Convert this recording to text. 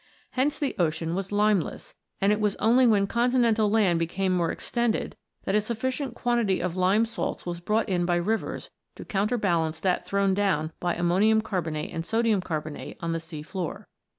Hence the ocean was limeless, and it was only when continental land became more extended that a sufficient quantity of lime salts was brought in by rivers to counterbalance that thrown down by ammonium carbonate and sodium carbonate on the sea floor.